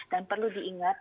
dan perlu diingat